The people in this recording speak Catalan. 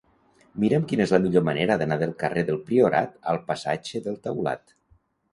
Mira'm quina és la millor manera d'anar del carrer del Priorat al passatge del Taulat.